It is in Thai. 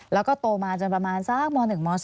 แล้วก็โตมาจนประมาณสักม๑ม๒